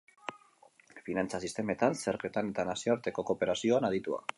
Finantza sistemetan, zergetan eta nazioarteko kooperazioan aditua.